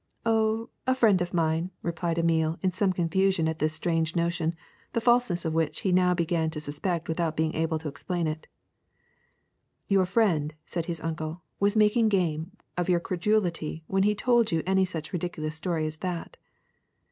0h, a friend of mine," replied Emile, in some confusion at this strange notion, the falseness of which he now began to suspect without being able to explain it. ^^Your friend," said his uncle, ^^was making game of your credulity when he told you any such ridicu lous story as that.